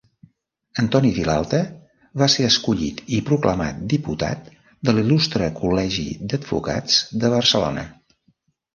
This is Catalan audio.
Antoni Vilalta va ser escollit i proclamat diputat de l'Il·lustre Col·legi d'Advocats de Barcelona.